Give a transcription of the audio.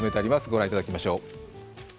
ご覧いただきましょう。